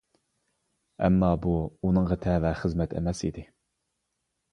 ئەمما بۇ ئۇنىڭغا تەۋە خىزمەت ئەمەس ئىدى.